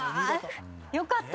よかった。